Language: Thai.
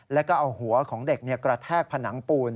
แล้วก็เอาหัวของเด็กกระแทกผนังปูน